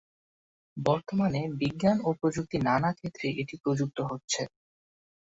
বর্তমানে বিজ্ঞান ও প্রযুক্তির নানা ক্ষেত্রে এটি প্রযুক্ত হচ্ছে।